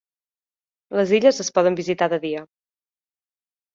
Les illes es poden visitar de dia.